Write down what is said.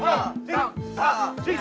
ya dianggap dong